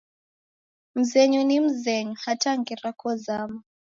Mzenyu ni mzenyu, hata ngera kozama